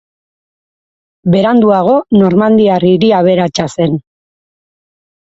Beranduago normandiar hiri aberatsa zen.